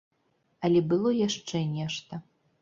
Але было яшчэ нешта.